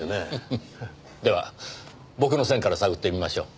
フフフでは僕の線から探ってみましょう。